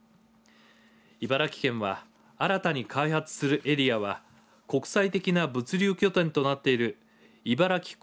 茨城県は新たに開発するエリアは国際的な物流拠点となっている茨城港